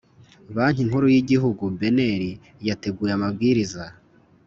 banki nkuru y'igihugu (bnr) yateguye amabwiriza